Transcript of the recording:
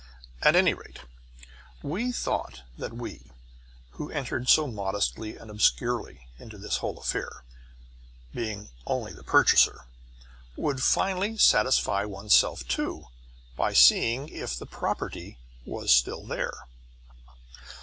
At any rate, we thought that we, who entered so modestly and obscurely into this whole affair, being only the purchaser, would finally satisfy ourself, too, by seeing if the property was still there.